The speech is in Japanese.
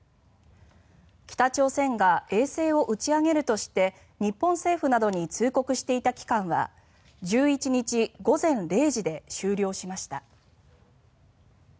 北朝鮮が衛星を打ち上げるとして日本政府などに通告していた期間は１１日午前０時で終了しました。